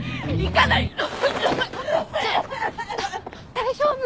大丈夫？